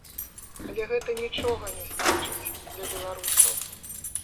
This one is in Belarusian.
Але гэта нічога не значыць для беларусаў.